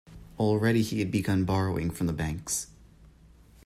Already he had begun borrowing from the banks.